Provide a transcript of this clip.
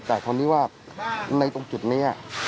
แต่คราวนี้ว่าในตรงจุดนี้